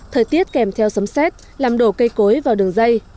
thời tiết kèm theo sấm xét làm đổ cây cối vào đường dây